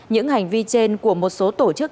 những hành vi trên của một số tổ chức